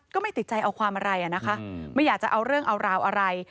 ก็ไม่ติดใจเอาความอะไรนะคะไม่อยากจะเอาเรื่องเอาราวอะไร